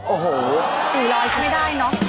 โอ้โฮทั้งหมดสี่ร้อยไม่ได้เนอะ